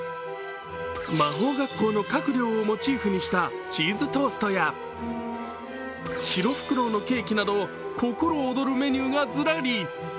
魔法学校の各寮をモチーフにしたチーズトーストや白ふくろうのケーキなど心躍るケーキがずらり。